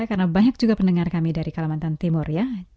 karena banyak juga pendengar kami dari kalimantan timur ya